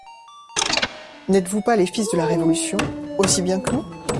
N'êtes-vous pas les fils de la Révolution, aussi bien que nous?